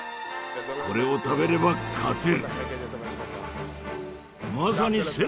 これを食べれば勝てる。